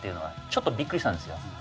ちょっとびっくりしたんですよ。